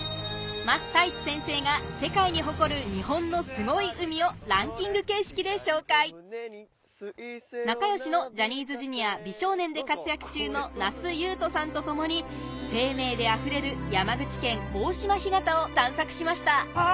桝太一先生がランキング形式で紹介仲良しのジャニーズＪｒ．「美少年」で活躍中の那須雄登さんと共に生命で溢れる山口県大島干潟を探索しましたあ！